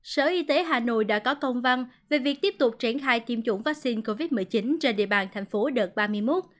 sở y tế hà nội đã có công văn về việc tiếp tục triển khai tiêm chủng vaccine covid một mươi chín trên địa bàn thành phố đợt ba mươi một